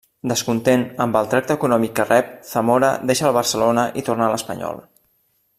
Descontent amb el tracte econòmic que rep, Zamora deixa el Barcelona i torna a l'Espanyol.